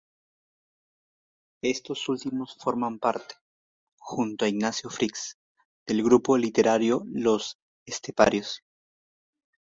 Estos últimos forman parte, junto a Ignacio Fritz, del grupo literario Los Esteparios.